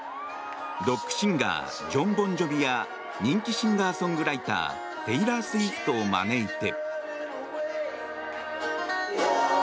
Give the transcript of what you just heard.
ロックシンガージョン・ボン・ジョヴィや人気シンガーソングライターテイラー・スウィフトを招いて。